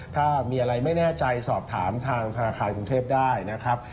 ถ้ามีอะไรไม่แน่ใจสอบถามทางธนาคารกรุงเทพได้นะครับ